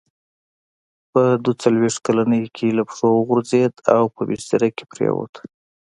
په دوه څلوېښت کلنۍ کې له پښو وغورځېد او په بستره کې پرېووت.